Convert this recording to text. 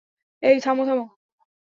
এই থামো, থামো।